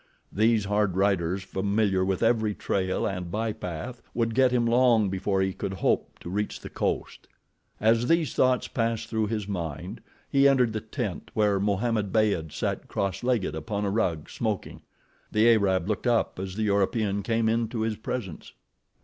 These hard riders, familiar with every trail and bypath, would get him long before he could hope to reach the coast. As these thoughts passed through his mind he entered the tent where Mohammed Beyd sat cross legged upon a rug, smoking. The Arab looked up as the European came into his presence.